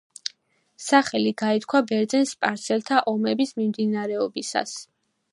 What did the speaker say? სახელი გაითქვა ბერძენ-სპარსელთა ომების მიმდინარეობისას.